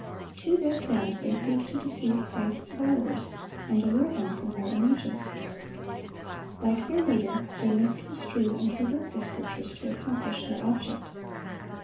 To this end they seek to deceive Christ's followers, and allure them from their allegiance. Like their leader, they misconstrue and pervert the Scriptures to accomplish their object.